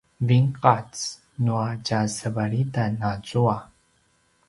vinqac nua tjasevalitan azua